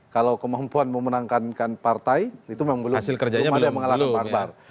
kalau kemampuan memenangkan partai itu memang belum ada yang mengalahkan pak akbar